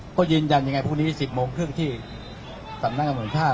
เพราะยืนยันยังไงพรุ่งนี้๑๐โมงครึ่งที่สำนางรวมชาติ